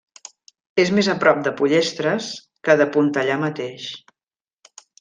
És més a prop de Pollestres que de Pontellà mateix.